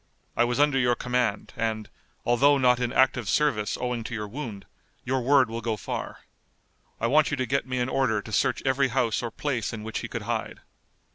I was under your command, and, although not in active service owing to your wound, your word will go far. I want you to get me an order to search every house or place in which he could hide."